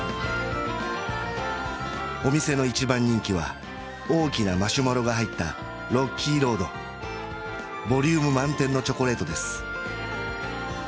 お店の一番人気は大きなマシュマロが入ったロッキーロードボリューム満点のチョコレートです